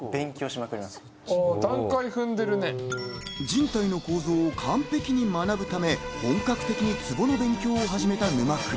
人体の構造を完璧に学ぶため本格的にツボの勉強を始めた沼倉。